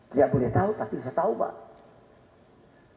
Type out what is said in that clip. tidak boleh tahu tapi saya tahu pak